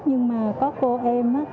nhưng mà có cô em